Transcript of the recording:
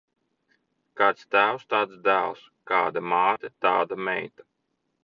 Kāds tēvs, tāds dēls; kāda māte, tāda meita.